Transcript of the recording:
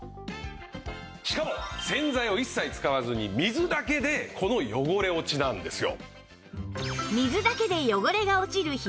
しかも洗剤を一切使わずに水だけでこの汚れ落ちなんですよ。